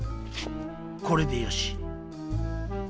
これでよし。